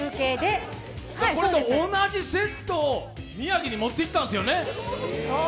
これと同じセットを宮城に持っていったんですよね。